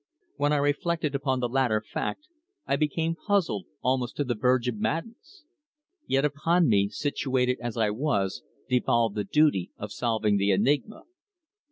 When I reflected upon the latter fact I became puzzled almost to the verge of madness. Yet upon me, situated as I was, devolved the duty of solving the enigma.